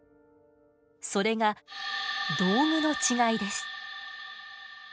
それが道具の違いです。